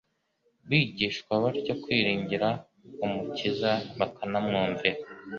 bigishwa batyo kwiringira Umukiza bakanamwumvira.